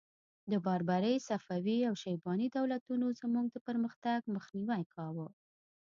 د بابري، صفوي او شیباني دولتونو زموږ د پرمختګ مخنیوی کاوه.